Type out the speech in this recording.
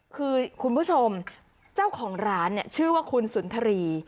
คือคุณผู้ชมเจ้าของร้านเนี่ยชื่อว่าคุณสุนทรี